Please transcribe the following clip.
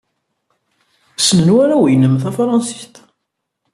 Ssnen warraw-nnem tafṛensist?